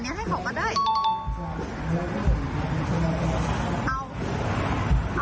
นี่ไงหยิบอันนี้ให้เขาก็ได้